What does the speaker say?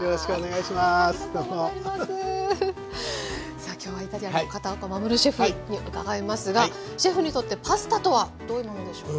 さあ今日はイタリアンの片岡護シェフに伺いますがシェフにとってパスタとはどういうものでしょうか？